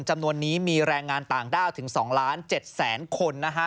จำนวนนี้มีแรงงานต่างด้าวถึง๒ล้าน๗แสนคนนะฮะ